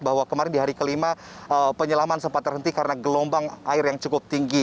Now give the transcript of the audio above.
bahwa kemarin di hari kelima penyelaman sempat terhenti karena gelombang air yang cukup tinggi